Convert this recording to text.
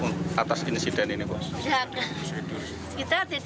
kita tidak ada karena sudah sesuai dengan prosedur yang dilakukan oleh kesehatan